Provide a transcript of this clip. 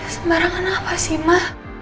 sembarangan apa sih ma